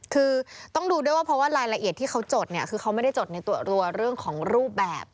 คือต้องดูด้วยว่าเพราะว่ารายละเอียดที่เขาจดเนี่ยคือเขาไม่ได้จดในตัวรัวเรื่องของรูปแบบ